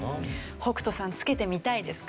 北斗さんつけてみたいですか？